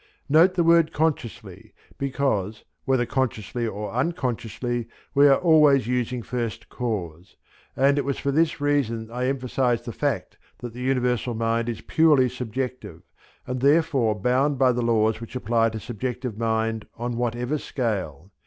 Note the word "consciously" because, whether consciously or unconsciously, we are always using first cause; and it was for this reason I emphasized the fact that the Universal Mind is purely subjective and therefore bound by the laws which apply to subjective mind on whatever scale.